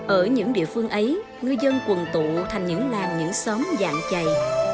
ở những địa phương ấy ngư dân quần tụ thành những làng những xóm dạng chày